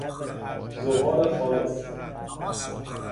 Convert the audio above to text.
زغال خالص